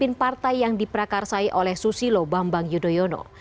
pemimpin partai yang diprakarsai oleh susilo bambang yudhoyono